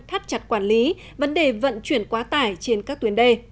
thắt chặt quản lý vấn đề vận chuyển quá tải trên các tuyến đê